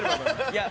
いや。